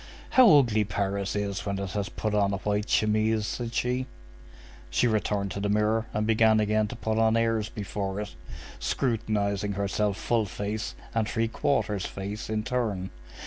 "How ugly Paris is when it has put on a white chemise!" said she. She returned to the mirror and began again to put on airs before it, scrutinizing herself full face and three quarters face in turn.